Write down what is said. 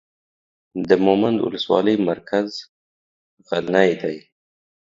د مومند اولسوالۍ مرکز غلنۍ دی.